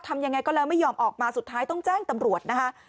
ทำยังไงก็แล้วไม่ยอมออกมาสุดท้ายต้องแจ้งตำรวจนะคะ